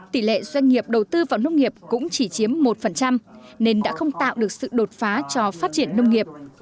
tỷ lệ doanh nghiệp đầu tư vào nông nghiệp cũng chỉ chiếm một nên đã không tạo được sự đột phá cho phát triển nông nghiệp